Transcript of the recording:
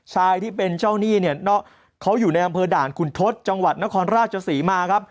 ชายที่เป็นเจ้าหนี้เนี่ยเขาอยู่ในอำเภอด่านขุนทศจังหวัดนครราชศรีมาครับ